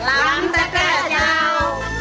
อารมณ์จั๊กแจ้ว